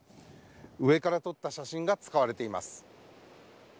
上から撮った写真が使われています。